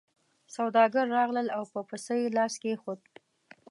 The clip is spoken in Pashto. سوداګر راغلل او په پسه یې لاس کېښود.